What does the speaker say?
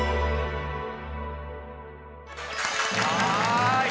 はい。